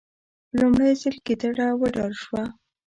لومړی ځل ګیدړه وډار شوه.